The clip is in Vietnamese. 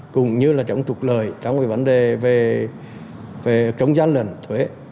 cũng như là chống trục lời chống vấn đề về chống gian lần thuế